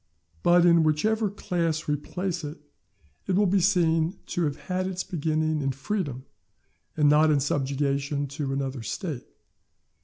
But in whichever class we place it, it will be seen to have had its beginning in freedom, and not in subjection to another State.